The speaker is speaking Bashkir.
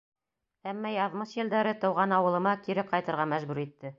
Әммә яҙмыш елдәре тыуған ауылыма кире ҡайтырға мәжбүр итте.